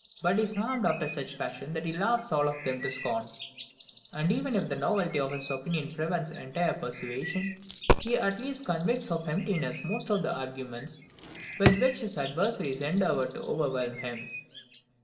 But he is armed after such fashion that he laughs all of them to scorn; and even if the novelty of his opinions prevents entire persuasion, he at least convicts of emptiness most of the arguments with which his adversaries endeavour to overwhelm him.